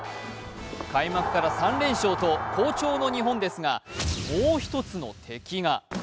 開幕から３連勝と好調の日本ですが、もう一つの敵が。